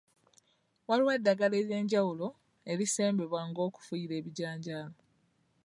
Waliwo eddagala ery'enjawulo erisembebwa ng'okufuuyira ebijanjaalo.